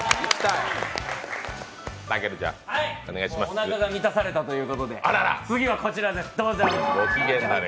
おなかが満たされたということで次はこちらです、どうぞ。